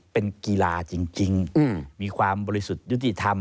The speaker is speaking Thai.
เป็นกีฬาจริงมีความบริสุทธิ์ยุติธรรม